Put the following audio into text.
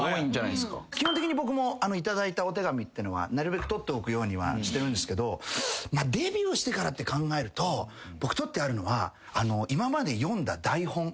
基本的に僕も頂いたお手紙っていうのはなるべく取っておくようにはしてるんですけどデビューしてからって考えると僕取ってあるのは。